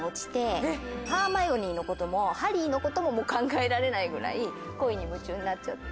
ハーマイオニーのこともハリーのことも考えられないぐらい恋に夢中になっちゃって。